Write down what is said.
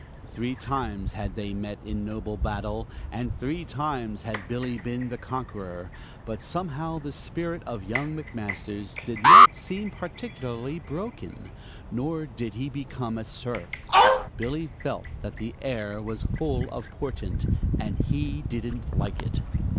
Three times had they met in noble battle, and three times had Billy been the conqueror, but somehow the spirit of young McMasters did not seem particularly broken, nor did he become a serf. Billy felt that the air was full of portent, and he didn't like it.